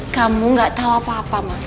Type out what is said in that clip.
kamu gak tahu apa apa mas